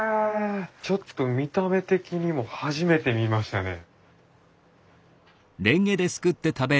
ちょっと見た目的にも初めて見ましたね。